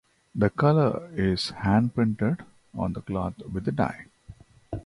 The colour is hand-printed on the cloth with the dye.